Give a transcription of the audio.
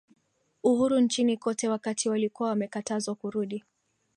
uhuru nchini kote wakati walikuwa wamekatazwa kurudi